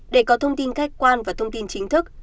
để có thông tin khách quan và thông tin chính thức